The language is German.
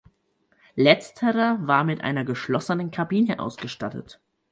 Letzterer war mit einer geschlossenen Kabine ausgestattet.